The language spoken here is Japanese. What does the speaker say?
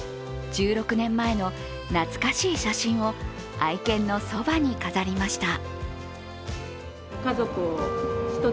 １６年前の懐かしい写真を愛犬のそばに飾りました。